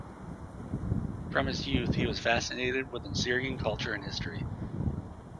From his youth, he was fascinated with Assyrian culture and history.